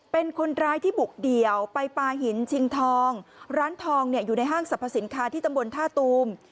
เป็นคนร้ายที่บุกเดี่ยวไปปลาหินชิงทองร้านทองเนี่ยอยู่ในห้างสรรพสินค้าที่ตำบลท่าตูม